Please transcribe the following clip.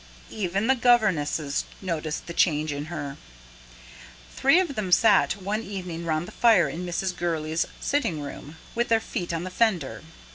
Even the governesses noticed the change in her. Three of them sat one evening round the fire in Mrs. Gurley's sitting room, with their feet on the fender.